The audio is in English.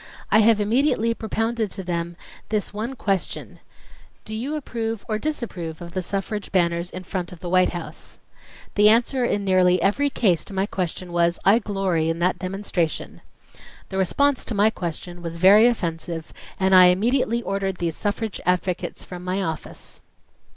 I have immediately propounded to them this one question: 'Do you approve or disapprove of the suffrage banners in front of the White House ...?' The answer in nearly every case to my question was: 'I glory in that demonstration' ... the response to my question was very offensive, and I immediately ordered these suffrage advocates from my office."